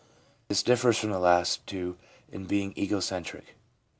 This differs from the last, too, in being ego centric.